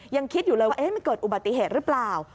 ยังคิดอยู่เลยว่ามันเกิดอุบัติเหตุหรือเปล่า